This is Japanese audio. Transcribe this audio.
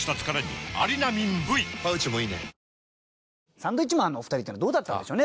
サンドウィッチマンのお二人っていうのはどうだったんでしょうね